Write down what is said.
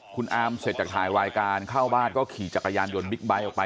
คุณอามเสร็จจากถ่ายรายการเข้าบ้านก็ขี่จักรยานยนต์บิ๊กไบท์ออกไป